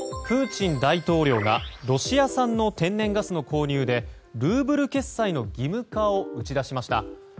プーチン大統領がロシア産の天然ガスの購入でルーブル決済の義務化を打ち出しました。